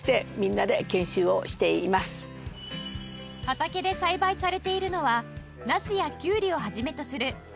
畑で栽培されているのはナスやキュウリを始めとする季節のお野菜